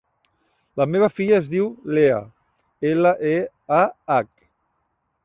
La meva filla es diu Leah: ela, e, a, hac.